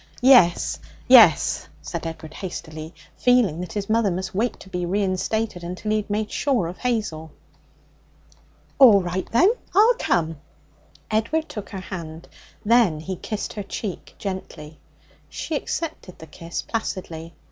'Yes yes,' said Edward hastily, feeling that his mother must wait to be reinstated until he had made sure of Hazel. 'All right, then; I'll come.' Edward took her hand; then he kissed her cheek gently. She accepted the kiss placidly.